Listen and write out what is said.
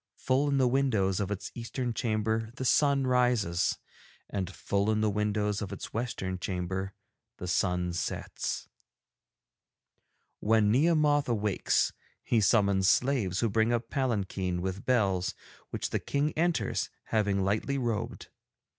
Full in the windows of its eastern chamber the sun rises, and full in the windows of its western chamber the sun sets. 'When Nehemoth awakes he summons slaves who bring a palanquin with bells, which the King enters, having lightly robed.